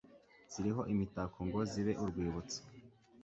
ziriho imitako ngo zibe urwibutso